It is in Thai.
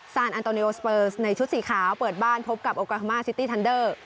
อันโตเนโอสเปอร์สในชุดสีขาวเปิดบ้านพบกับโอกาฮามาซิตี้ทันเดอร์